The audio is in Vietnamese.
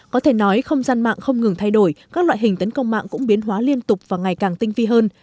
có thể nói không gian mạng không ngừng thay đổi các loại hình tấn công mạng cũng biến hóa liên tục và ngày càng tinh phi hơn